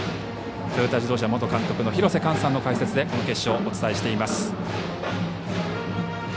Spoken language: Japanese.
トヨタ自動車元監督の廣瀬寛さんの解説でこの決勝、お伝えしています。